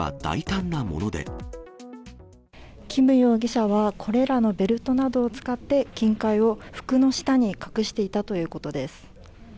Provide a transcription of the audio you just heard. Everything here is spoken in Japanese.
キム容疑者は、これらのベルトなどを使って、金塊を服の下に隠していたということです。